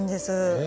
へえ！